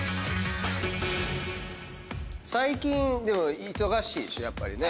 最近でも忙しいでしょやっぱりね。